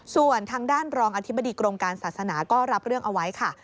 ส่วนทางด้านรองอธิบดีกรมการศาสนาก็รับเรื่องเอาไว้ค่ะ